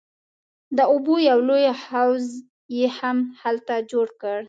د اوبو یو لوی حوض یې هم هلته جوړ کړ.